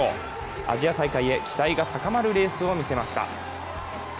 アジア大会へ期待が高まるレースを見せました。